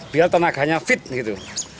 biar tenaganya fit gitu